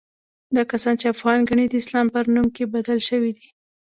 دا کسان چې افغان ګڼي، د اسلام پر نوم کې بدل شوي دي.